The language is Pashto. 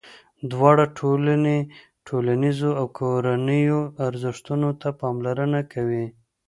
دواړه ټولنې ټولنیزو او کورنیو ارزښتونو ته پاملرنه کوي.